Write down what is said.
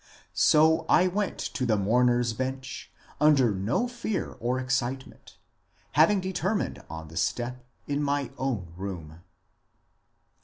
So I went to the " mourner's bench," under no fear or ex citement, having determined on the step in my own room.